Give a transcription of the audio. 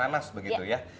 terasa nanas begitu ya